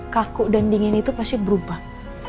kaku dan dingin itu pasti berubah